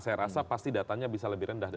saya rasa pasti datanya bisa lebih rendah